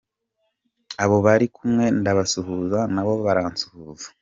Abo bari kumwe ndabasuhuza nabo baransuhuza.